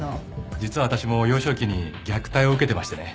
実はわたしも幼少期に虐待を受けてましてね。